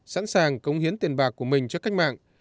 sẵn sàng cống hiến tiền bạc của mình cho cách mạng